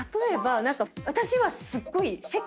私は。